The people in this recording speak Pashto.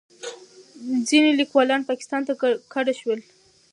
ځینې لیکوالان پاکستان ته کډه شول.